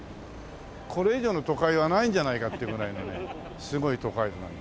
これ以上の都会はないんじゃないかっていうぐらいのねすごい都会なんです。